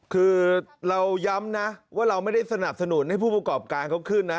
คือเราย้ำนะว่าเราไม่ได้สนับสนุนให้ผู้ประกอบการเขาขึ้นนะ